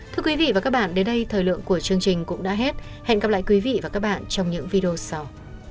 thưa quý vị và các bạn đến đây thời lượng của chương trình cũng đã hết hẹn gặp lại quý vị và các bạn trong những video sau